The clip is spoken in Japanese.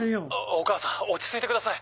⁉お義母さん落ち着いてください。